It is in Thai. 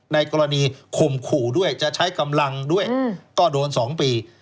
ในกรณีข่มขู่ด้วยจะใช้กำลังด้วยก็โดน๒ปี